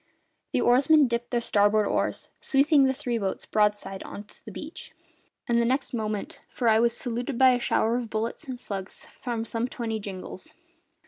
The oarsmen dipped their starboard oars, sweeping the three boats broadside on to the beach, and the next moment I was saluted by a shower of bullets and slugs from some twenty jingals.